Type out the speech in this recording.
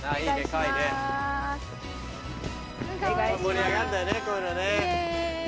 盛り上がんだよねこういうのね。